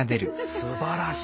素晴らしい。